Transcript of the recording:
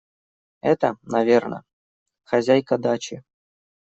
Это, наверно, хозяйка дачи.